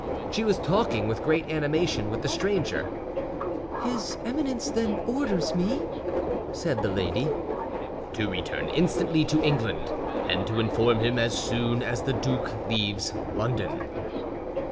She was talking with great animation with the stranger. "His Eminence, then, orders me—" said the lady. "To return instantly to England, and to inform him as soon as the duke leaves London."